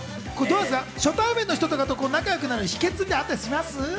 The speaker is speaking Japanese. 初対面の人と仲良くなる秘訣みたいなの、あったりします？